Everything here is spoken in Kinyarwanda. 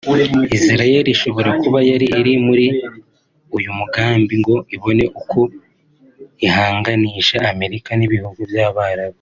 Israel ishobora kuba yari iri muri uyu mugambi ngo ibone uko ihanganisha Amerika n’ibihugu by’Abarabu